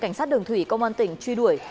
cảnh sát đường thủy công an tỉnh truy đuổi